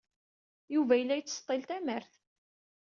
Yuba yella yettseḍḍil tamart.